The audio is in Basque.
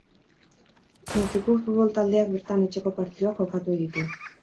Mutriku Futbol Taldeak bertan etxeko partiduak jokatu ohi ditu.